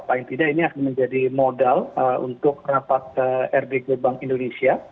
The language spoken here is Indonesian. paling tidak ini akan menjadi modal untuk rapat rdg bank indonesia